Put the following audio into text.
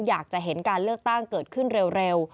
อยากจะเห็นการเลือกตั้งเกิดขึ้นเร็ว